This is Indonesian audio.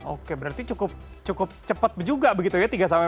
oke berarti cukup cepat juga begitu ya